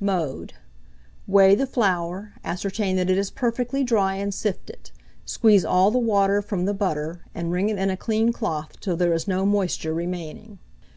Mode. Weigh the flour; ascertain that it is perfectly dry, and sift it; squeeze all the water from the butter, and wring it in a clean cloth till there is no moisture remaining.